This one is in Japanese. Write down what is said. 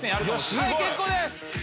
はい結構です。